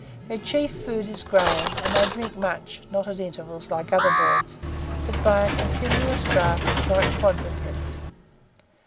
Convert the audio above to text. Their chief food is grain, and they drink much; not at intervals, like other birds, but by a continuous draught, like quadrupeds.